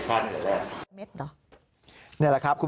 ก็คือไม่แชทเตียงก่อนว่า